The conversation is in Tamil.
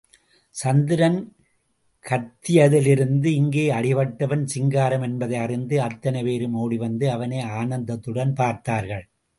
சந்திரன் கத்தியதிலிருந்து, இங்கே அடிபட்டவன் சிங்காரம் என்பதை அறிந்த அத்தனை பேரும் ஓடி வந்து அவனை ஆனந்தத்துடன் பார்த்தார்கள்.